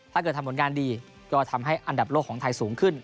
ถ้าเกิดทำผลงานดีก็ทำให้อันดับโลกของไทยสูงขึ้น